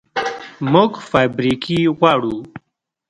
موږ فابریکې غواړو